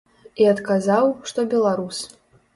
І адказаў, што беларус.